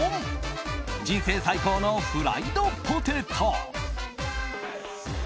人生最高のフライドポテト！